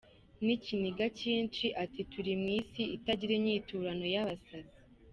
" N’ikiniga cyinshi, ati "Turi mu Isi itagira inyiturano y’abasazi.